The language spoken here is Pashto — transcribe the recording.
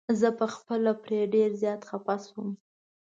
زه په خپله پرې ډير زيات خفه شوم.